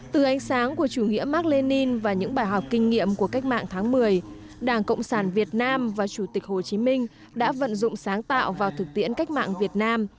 từ ánh sáng của chủ nghĩa mark lenin và những bài học kinh nghiệm của cách mạng tháng một mươi đảng cộng sản việt nam và chủ tịch hồ chí minh đã vận dụng sáng tạo vào thực tiễn cách mạng việt nam